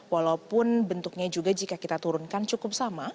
walaupun bentuknya juga jika kita turunkan cukup sama